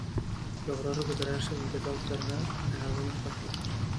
Logró recuperarse y empezó a alternar en algunos partidos.